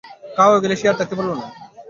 খাওয়া হয়ে গেলে আর সে থাকতে পারলে না।